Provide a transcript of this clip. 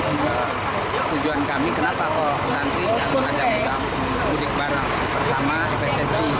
tujuan kami kenapa kalau santri akan mengajak mudik bareng bersama pesensi